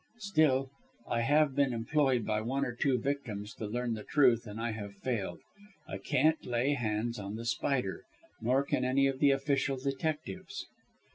Still, I have been employed by one or two victims to learn the truth, and I have failed. I can't lay hands on The Spider, nor can any of the official detectives."